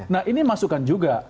nah ini masukan juga